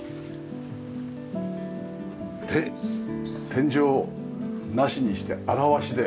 天井をなしにして現しで。